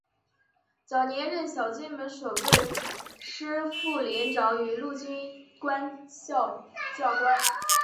早年任小金门守备师副连长与陆军官校教官。